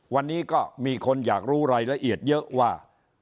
วันนี้ก็มีคนอยากรู้รายละเอียดเยอะว่า